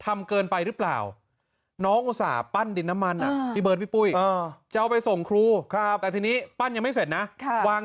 เรื่องนี้นี่ก็เกี่ยวกับเด็กเหมือนกัน